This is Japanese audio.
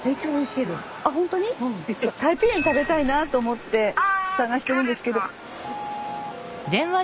太平燕食べたいなと思って探してるんですけど。